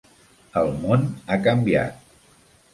El món ha canviat.